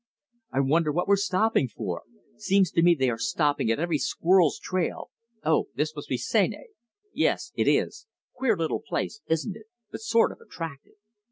"I wonder what we're stopping for. Seems to me they are stopping at every squirrel's trail. Oh, this must be Seney. Yes, it is. Queer little place, isn't it? but sort of attractive.